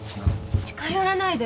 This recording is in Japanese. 近寄らないでよ